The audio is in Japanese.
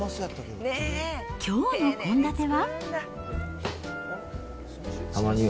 きょうの献立は？